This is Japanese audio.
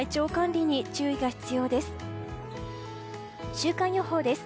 週間予報です。